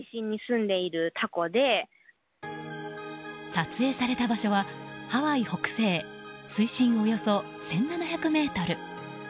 撮影された場所はハワイ北西水深およそ１７００ｍ。